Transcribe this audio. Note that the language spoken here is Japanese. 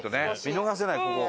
見逃せないここ。